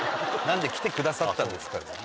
「何で来てくださったんですか」